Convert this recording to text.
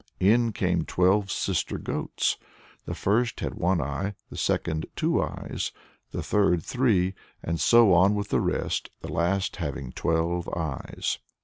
In came twelve sister goats. The first had one eye, the second two eyes, the third three, and so on with the rest, the last having twelve eyes.